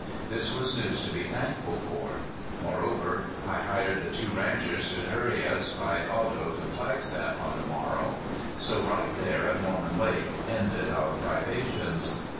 This was news to be thankful for. Moreover, I hired the two ranchers to hurry us by auto to Flagstaff on the morrow. So right there at Mormon Lake ended our privations.